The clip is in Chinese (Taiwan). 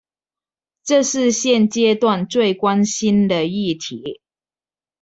這是現階段最關心的議題